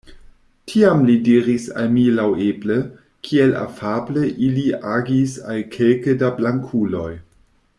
Tiam li diris al mi laŭeble, kiel afable ili agis al kelke da blankuloj.